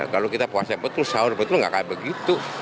kalau kita puasa betul sahur betul nggak kayak begitu